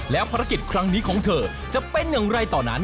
แล้วภารกิจครั้งนี้ของเธอจะเป็นอย่างไรต่อนั้น